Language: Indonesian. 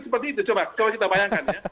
seperti itu coba kalau kita bayangkan ya